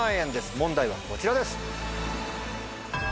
問題はこちらです。